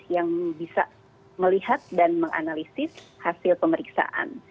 yang bisa melihat dan menganalisis hasil pemeriksaan